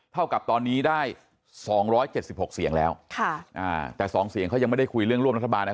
เท่ากับตอนนี้ได้สองร้อยเจ็ดสิบหกเสียงแล้วค่ะอ่าแต่สองเสียงเขายังไม่ได้คุยเรื่องร่วมรัฐบาลแล้ว